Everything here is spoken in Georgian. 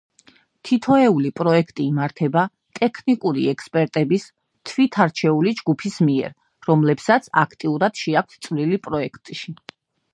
თითოეული პროექტი იმართება ტექნიკური ექსპერტების თვითარჩეული ჯგუფის მიერ, რომლებსაც აქტიურად შეაქვთ წვლილი პროექტში.